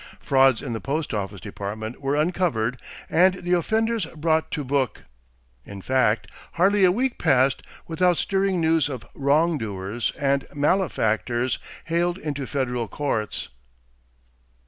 Frauds in the Post office Department were uncovered and the offenders brought to book. In fact hardly a week passed without stirring news of "wrong doers" and "malefactors" haled into federal courts.